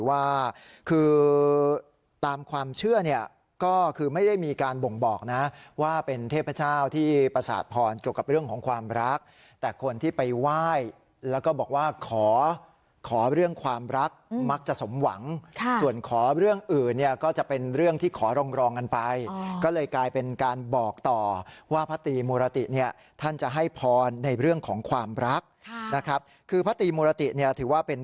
ว่าคือตามความเชื่อเนี่ยก็คือไม่ได้มีการบ่งบอกนะว่าเป็นเทพเจ้าที่ประสาทพรเกี่ยวกับเรื่องของความรักแต่คนที่ไปไหว้แล้วก็บอกว่าขอขอเรื่องความรักมักจะสมหวังส่วนขอเรื่องอื่นเนี่ยก็จะเป็นเรื่องที่ขอรองรองกันไปก็เลยกลายเป็นการบอกต่อว่าพระตีมุรติเนี่ยท่านจะให้พรในเรื่องของความรักนะครับคือพระตีมุรติเนี่ยถือว่าเป็น